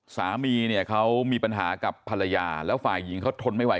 สามีเนี่ยเขามีปัญหากับภรรยาแล้วฝ่ายหญิงเขาทนไม่ไห